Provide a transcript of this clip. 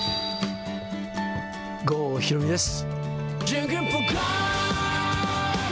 郷ひろみです。